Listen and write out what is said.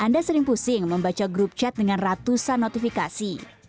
anda sering pusing membaca grup chat dengan ratusan notifikasi